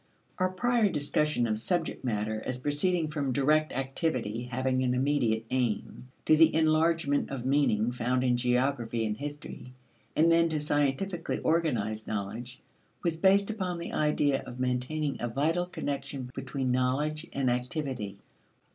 Our prior discussion of subject matter as proceeding from direct activity having an immediate aim, to the enlargement of meaning found in geography and history, and then to scientifically organized knowledge, was based upon the idea of maintaining a vital connection between knowledge and activity.